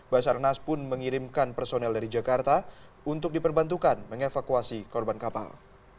basarnas pun mengirimkan personel dari jakarta untuk diperbantukan mengevakuasi korban kapal